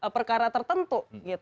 perkara perkara yang berbeda